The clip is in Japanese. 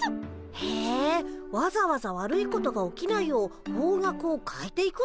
へえわざわざ悪いことが起きないよう方角を変えて行くの？